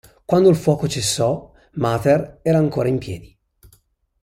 Quando il fuoco cessò Mather era ancora in piedi.